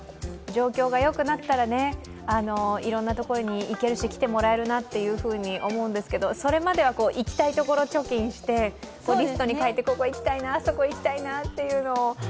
状況がよくなったら、いろんなところに行けるし、来てもらえるなと思うんですけど、それまでは行きたいところ、貯金してリストに書いて、ここ行きたいなあそこ行きたいなっていうのを。